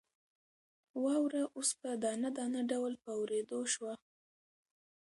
واوره اوس په دانه دانه ډول په اورېدو شوه.